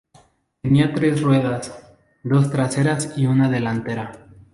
Tenía tres ruedas, dos traseras y una delantera.